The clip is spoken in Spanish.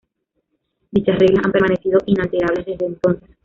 Dichas reglas han permanecido inalterables desde entonces.